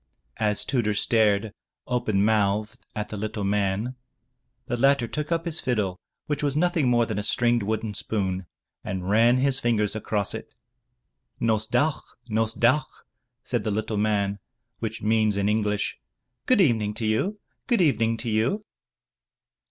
As Tudur stared, open mouthed, at the Uttle man, the latter took up his fiddle which was nothing more than a stringed wooden spoon and ran his fingers across it. "Nos dawch! Nos dawch!" said the little man, which means in English, *'Good Evening to you! Good Evening to you!"